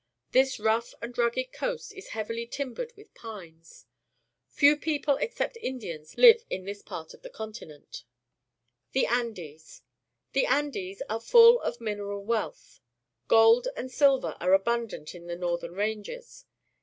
This rough and rugged coast is hea\'ily timbered w'ith pines. Few people except Indians Uve in this part of the continent. The Andes. — The Andes are full of mineral wealth. Gold and silver are abimdant in the northern ranges.